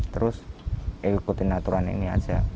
terus ikutin aturan ini aja